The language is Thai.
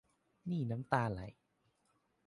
นี่น้ำตาไหล